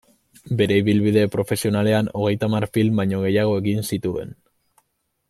Bere ibilbide profesionalean hogeita hamar film baino gehiago egin zituen.